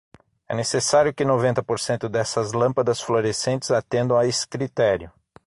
É necessário que noventa por cento dessas lâmpadas fluorescentes atendam a esse critério.